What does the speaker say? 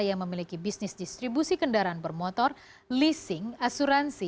yang memiliki bisnis distribusi kendaraan bermotor leasing asuransi